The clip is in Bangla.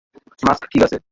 মাস্ক ঠিক আছে।